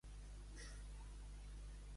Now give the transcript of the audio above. Mario Romeo és un jurista nascut a Lleida.